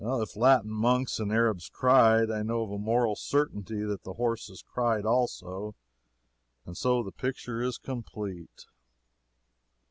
If Latin monks and Arabs cried, I know to a moral certainty that the horses cried also, and so the picture is complete.